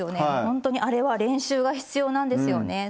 あれは練習が必要なんですよね。